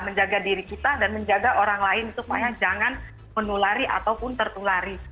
menjaga diri kita dan menjaga orang lain supaya jangan menulari ataupun tertulari